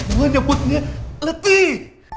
gue nyebutnya letih